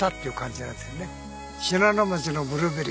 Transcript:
信濃町のブルーベリー。